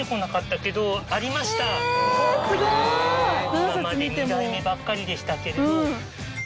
今まで２代目ばっかりでしたけれど。